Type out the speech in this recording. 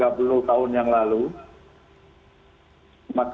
dan ada keadaan yang tidak terlalu baik